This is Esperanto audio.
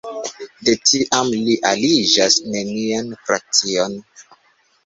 De tiam li aliĝas nenian frakcion.